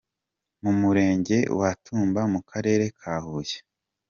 mu murenge wa Tumba mu karere ka Huye.